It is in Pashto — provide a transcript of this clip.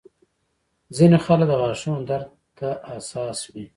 ځینې خلک د غاښونو درد ته حساس وي.